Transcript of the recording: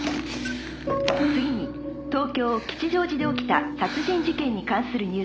「次に東京吉祥寺で起きた殺人事件に関するニュースです」